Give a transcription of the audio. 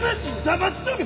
黙っとけ！